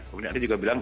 kemudian ada juga bilang